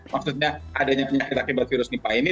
maksudnya adanya penyakit akibat virus nipah ini